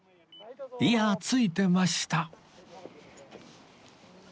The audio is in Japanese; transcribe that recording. いやあついてました